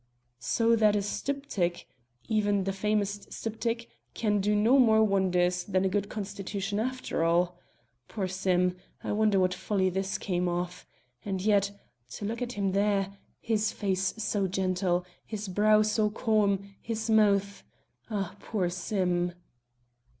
"So that a styptic even the famous styptic can do no more wonders than a good constitution after all. Poor Sim, I wonder what folly this came of. And yet to look at him there his face so gentle, his brow so calm, his mouth ah, poor Sim!"